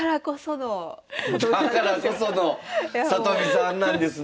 だからこその里見さんなんですね！